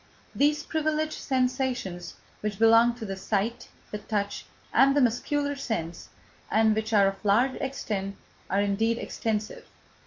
These privileged sensations which belong to the sight, the touch, and the muscular sense, and which are of large extent, are indeed extensive.